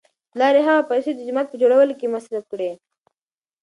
پلار یې هغه پیسې د جومات په جوړولو کې مصرف کړې.